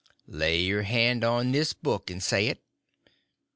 "Lay your hand on this book and say it."